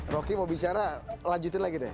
roky mau bicara lanjutin lagi deh